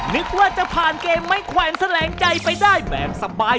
นึกว่าจะผ่านเกมไม้แขวนแสลงใจไปได้แบบสบาย